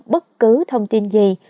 bất cứ thông tin gì